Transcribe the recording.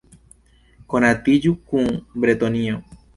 Konatiĝu kun Bretonio!